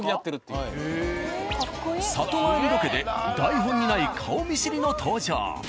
里帰りロケで台本にない顔見知りの登場。